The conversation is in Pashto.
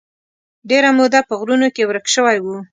ډېره موده په غرونو کې ورک شوی و.